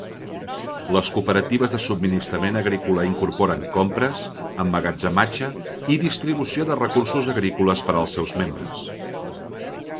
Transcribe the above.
Les cooperatives de subministrament agrícola incorporen compres, emmagatzematge i distribució de recursos agrícoles per als seus membres.